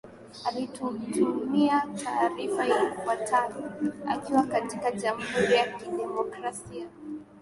alitutumia taarifa ifwatayo akiwa katika jamhuri ya kidemokrasia